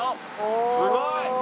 すごい。